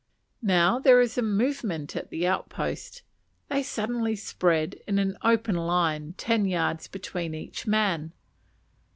Now there is a movement at the outpost. They suddenly spread in an open line, ten yards between each man.